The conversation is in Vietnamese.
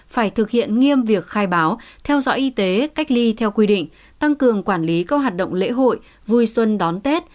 phải thực hiện nghiêm việc khai báo theo dõi y tế cách ly theo quy định tăng cường quản lý các hoạt động lễ hội vui xuân đón tết